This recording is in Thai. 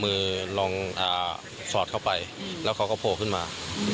อืมจังหวะเข้ามือพอดี